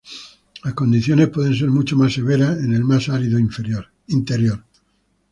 Las condiciones pueden ser mucho más severas en el más árido interior.